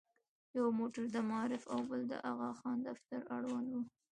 یو موټر د معارف او بل د اغاخان دفتر اړوند و.